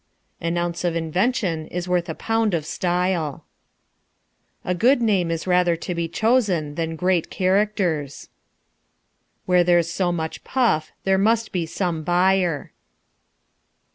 An ounce of invention is worth a pound of style. A good name is rather to be chosen than great characters. Where there's so much puff, there must be some buyer.